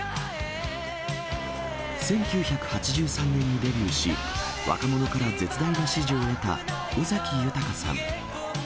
１９８３年にデビューし、若者から絶大な支持を得た尾崎豊さん。